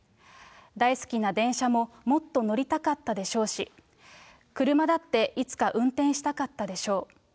大好きな電車ももっと乗りたかったでしょうし、車だっていつか運転したかったでしょう。